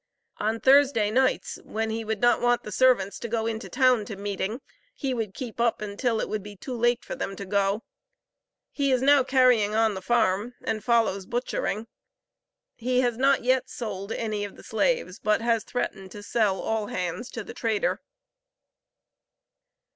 On Thursday nights, when he would not want the servants to go into town to meeting, he would keep up until it would be too late for them to go. He is now carrying on the farm, and follows butchering. He has not yet sold any of the slaves, but has threatened to sell all hands to the trader."